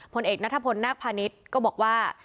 เอกนัทพลนาคพาณิชย์ก็บอกว่า